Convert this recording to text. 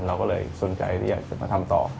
เราก็เลยสนใจที่อยากจะมาทำต่อ